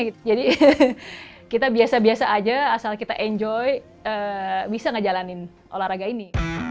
gitu jadi kita biasa biasa aja asal kita enjoy bisa ngejalanin olahraga ini